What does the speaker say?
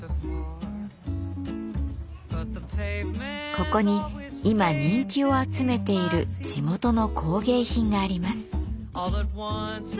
ここに今人気を集めている地元の工芸品があります。